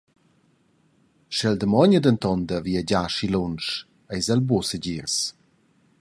Sch’el damogna denton da viagiar aschi lunsch eis el buca segirs.